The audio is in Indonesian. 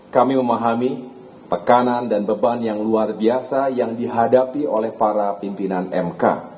kami memahami tekanan dan beban yang luar biasa yang dihadapi oleh para pimpinan mk